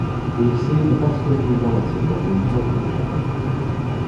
We see the best in humanity when we help each other.